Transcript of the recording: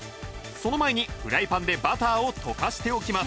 その前にフライパンでバターを溶かしておきます